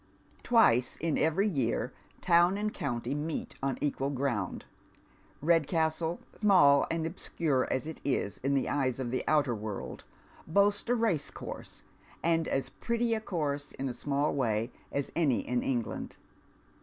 Twice in eveiy year town and county meet on equal grouTid. Redcastle, email and obscure as it is in the eyes of the outer world, boasts a racecourse, and as pretty a course in a small way as any in England.